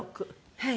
はい。